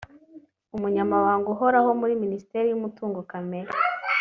Umunyamabanga uhoraho muri Minisiteri y’umutungo kamere